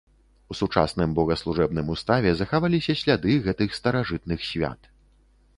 У сучасным богаслужэбным уставе захаваліся сляды гэтых старажытных свят.